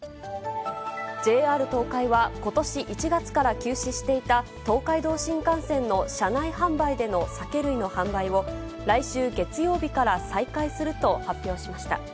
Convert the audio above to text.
ＪＲ東海は、ことし１月から休止していた東海道新幹線の車内販売での酒類の販売を、来週月曜日から再開すると発表しました。